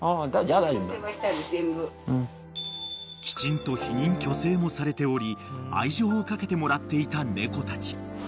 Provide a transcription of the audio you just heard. ［きちんと避妊去勢もされており愛情をかけてもらっていた猫たち］